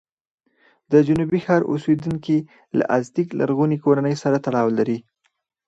د جنوبي ښار اوسېدونکي له ازتېک لرغونې کورنۍ سره تړاو لري.